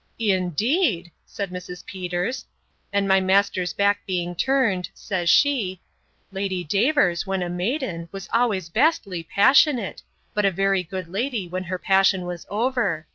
Indeed! said Mrs. Peters;—and my master's back being turned, says she, Lady Davers, when a maiden, was always vastly passionate; but a very good lady when her passion was over.